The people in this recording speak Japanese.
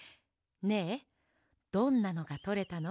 ねえどんなのがとれたの？